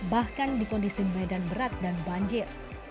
bahkan di kondisi medan berat dan banjir